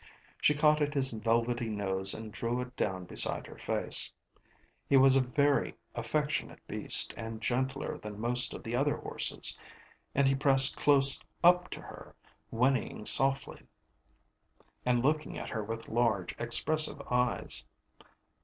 She caught at his velvety nose and drew it down beside her face. He was a very affectionate beast and gentler than most of the other horses, and he pressed close up to her, whinnying softly and looking at her with large expressive eyes.